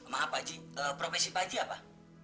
maaf pak haji profesi pak haji apa